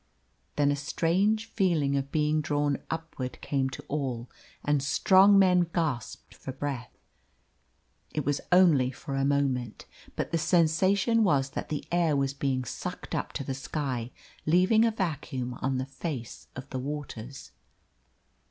Then a strange feeling of being drawn upward came to all, and strong men gasped for breath. It was only for a moment. But the sensation was that the air was being sucked up to the sky, leaving a vacuum on the face of the waters.